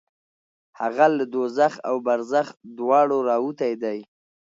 هغه له دوزخ او برزخ دواړو راوتی دی.